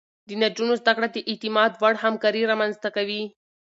د نجونو زده کړه د اعتماد وړ همکاري رامنځته کوي.